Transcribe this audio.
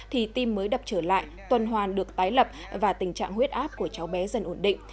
thì tim mới đập trở lại tuần hoàn được tái lập và tình trạng huyết áp của cháu bé dần ổn định